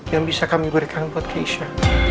yang bisa kami berikan buat keisha